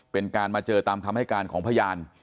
เป็นการมาเจอตามคำให้การของพยาน